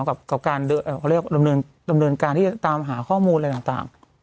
กับการดำเนินการที่จะตามหาข้อมูลอะไรต่าง